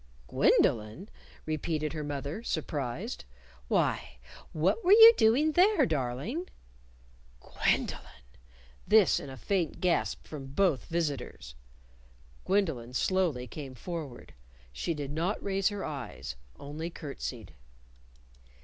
"Gwendolyn?" repeated her mother, surprised. "Why, what were you doing there, darling?" "Gwendolyn!" this in a faint gasp from both visitors. Gwendolyn came slowly forward. She did not raise her eyes; only curtsied.